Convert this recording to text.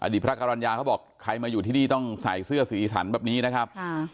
พระกรรณญาเขาบอกใครมาอยู่ที่นี่ต้องใส่เสื้อสีสันแบบนี้นะครับ